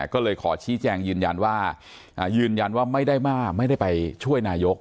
ก็เลยขอชี้แจงยืนยันว่ายืนยันว่าไม่ได้มาไม่ได้ไปช่วยนายก